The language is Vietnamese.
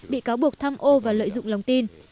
bị cáo buộc tham ô và lợi dụng lòng tin